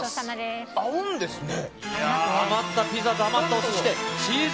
合うんですね。